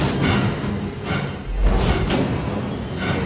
จัดเต็มให้เลย